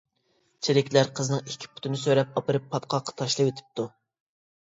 چېرىكلەر قىزنىڭ ئىككى پۇتىنى سۆرەپ ئاپىرىپ پاتقاققا تاشلىۋېتىپتۇ.